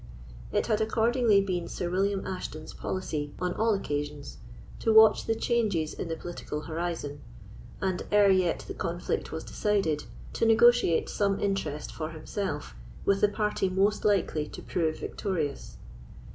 It had accordingly been Sir William Ashton's policy, on all occasions, to watch the changes in the political horizon, and, ere yet the conflict was decided, to negotiate some interest for himself with the party most likely to prove victorious.